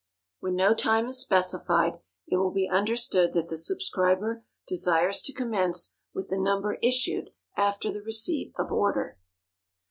When no time is specified, it will be understood that the subscriber desires to commence with the Number issued after the receipt of order.